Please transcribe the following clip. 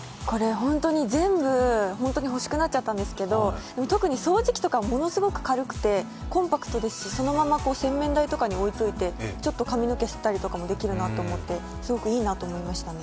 本当に全部欲しくなっちゃったんですけど特に掃除機とかはものすごく軽くてコンパクトですし、そのまま洗面台に置いておいてちょっと髪の毛吸ったりもできるなと、すごいいいなと思いましたね。